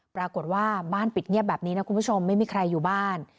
ปรากฏว่าบ้านปิดเงียบแบบนี้นะคุณผู้ชมไม่มีใครอยู่บ้าน